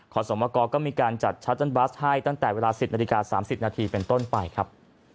สมกรก็มีการจัดชัตเติ้บัสให้ตั้งแต่เวลา๑๐นาฬิกา๓๐นาทีเป็นต้นไปครับ